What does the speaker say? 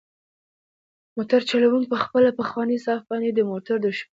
موټر چلونکی په خپله پخوانۍ صافه باندې د موټر ډشبورډ پاکوي.